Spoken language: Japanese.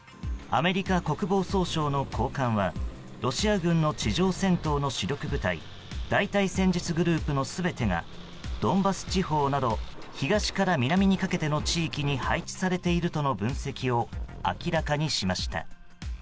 アメリカ国防総省の高官はロシア軍の地上戦闘の主力部隊大隊戦術グループの全てがドンバス地方など東から南にかけての地域に配置されているとの分析を明らかにしました。